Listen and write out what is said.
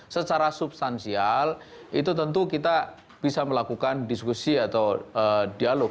secara substansial itu tentu kita bisa melakukan diskusi atau dialog